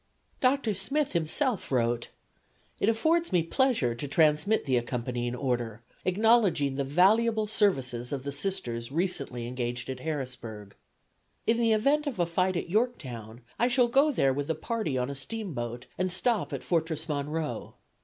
Dr. Smith himself wrote: "It affords me pleasure to transmit the accompanying order, acknowledging the valuable services of the Sisters recently engaged at Harrisburg. In the event of a fight at Yorktown I shall go there with a party on a steamboat and stop at Fortress Monroe.